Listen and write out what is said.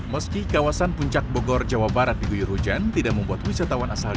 meski kawasan puncak bogor jawa barat di guyur hujan tidak membuat wisatawan yang berada di